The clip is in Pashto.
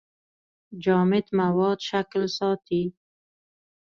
جامد مواد شکل ساتي.